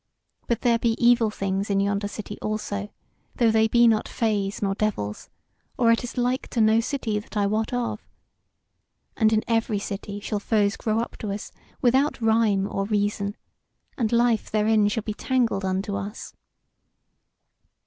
But there be evil things in yonder city also, though they be not fays nor devils, or it is like to no city that I wot of. And in every city shall foes grow up to us without rhyme or reason, and life therein shall be tangled unto us."